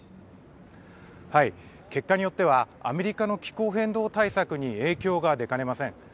結果によってはアメリカの気候変動対策に影響が出かねません。